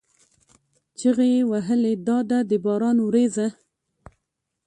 چیغې یې وهلې: دا ده د باران ورېځه!